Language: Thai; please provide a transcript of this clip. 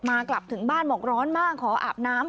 กลับถึงบ้านบอกร้อนมากขออาบน้ำ